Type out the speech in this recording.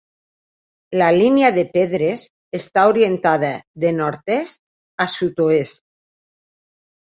La línia de pedres està orientada de nord-est a sud-oest.